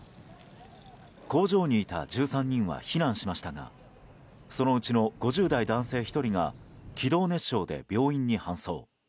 工場にいた１３人は避難しましたがそのうちの５０代男性１人が気道熱傷で病院に搬送。